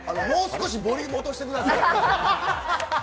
もう少しボリューム落としてください。